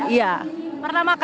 tapi aku juga belum pernah cobain sih